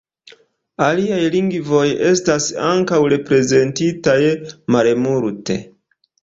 Aliaj lingvoj estas ankoraŭ reprezentitaj malmulte.